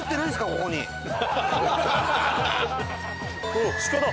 あっ鹿だ！